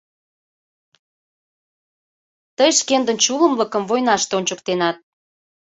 Тый шкендын чулымлыкым войнаште ончыктенат.